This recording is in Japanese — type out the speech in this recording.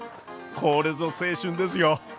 これぞ青春ですよ！